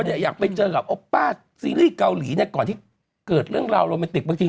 จะอยากไปเจอกับอพป้าซิริย์เกาหลีนะก่อนที่เกิดเรื่องราวโรเมติกุณ์ที่